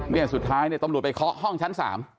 เนี่ยสุดท้ายเนี่ยตำรวจไปเคาะห้องชั้น๓